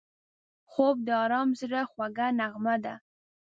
خوب د آرام زړه خوږه نغمه ده